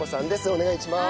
お願いします。